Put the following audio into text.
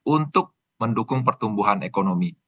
untuk mendukung pertumbuhan ekonomi